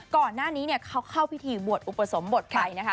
ก่อนหน้านี้เขาเข้าพิธีบวชอุปสมบทไปนะคะ